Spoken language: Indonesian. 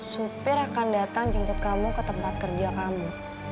supir akan datang jemput kamu ke tempat kerja kamu